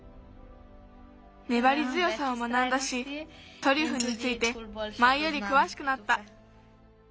ねばりづよさを学んだしトリュフについてまえよりくわしくなった。